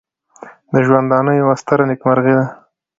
د ژوندانه یوه ستره نېکمرغي ده.